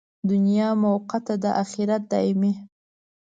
دنیا موقته ده، اخرت دایمي.